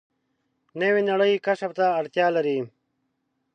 نوې نړۍ کشف ته اړتیا لري